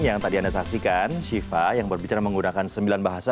yang tadi anda saksikan shiva yang berbicara menggunakan sembilan bahasa